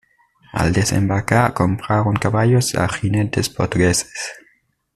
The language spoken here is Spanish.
Al desembarcar compraron caballos a jinetes portugueses.